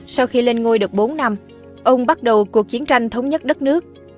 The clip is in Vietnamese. sau khi lên ngôi được bốn năm ông bắt đầu cuộc chiến tranh thống nhất đất nước